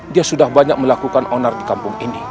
dia sudah banyak melakukan onar di kampung ini